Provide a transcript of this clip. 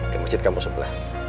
ke masjid kamu sebelah